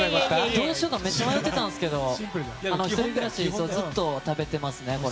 どうしようかめっちゃ迷ったんですけど１人暮らしでずっと食べてます。